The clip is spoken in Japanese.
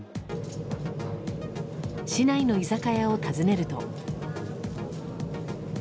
市内の居酒屋を訪ねると。